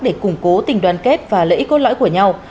để củng cố tình đoàn kết và lợi ích cốt lõi của nhau